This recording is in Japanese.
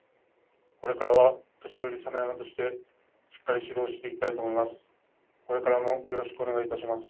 これからは、年寄・佐ノ山としてしっかり指導していきたいと思います。